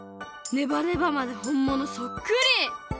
ネバネバまでほんものそっくり！